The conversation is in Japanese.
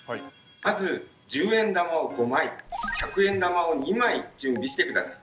まず１０円玉を５枚１００円玉を２枚準備して下さい。